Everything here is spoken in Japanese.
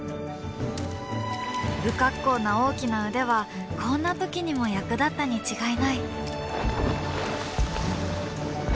不格好な大きな腕はこんな時にも役立ったに違いない。